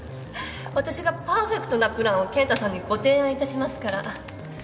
私がパーフェクトなプランを健太さんにご提案いたしますから。